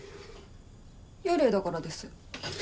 幽霊だからです。